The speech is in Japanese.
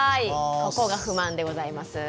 「ここが不満！」でございます。